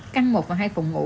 căn một và hai phòng ngủ